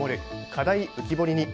課題浮き彫りに。